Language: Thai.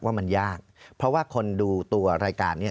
ว่ามันยากเพราะว่าคนดูตัวรายการเนี่ย